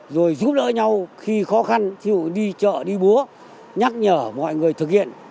rồi giúp đỡ nhau khi khó khăn ví dụ đi chợ đi búa nhắc nhở mọi người thực hiện